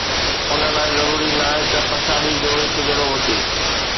ان لاءِ ضروري ناهي ته پڇاڙيءَ جو هڪجهڙو هجي